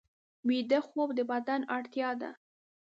ویده خوب د بدن اړتیا ده